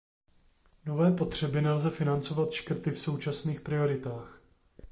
Nové potřeby nelze financovat škrty v současných prioritách.